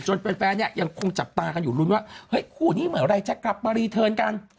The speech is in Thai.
แฟนเนี่ยยังคงจับตากันอยู่ลุ้นว่าเฮ้ยคู่นี้เมื่อไหร่จะกลับมารีเทิร์นกัน